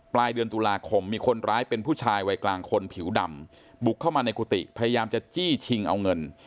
ปลายเดือนตุลาคมมีคนร้ายเป็นผู้ชายวัยกลางคนผิวดำบุกเข้ามาในกุฏิพยายามจะจี้ชิงเอาเงิน